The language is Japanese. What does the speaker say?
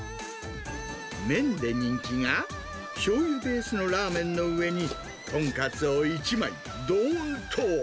麺で人気が、しょうゆベースのラーメンの上に豚カツを１枚、どーんと。